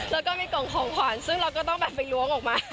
แล้วก็มีกล่องของขวัญซึ่งเราก็ต้องแบบไปล้วงออกมา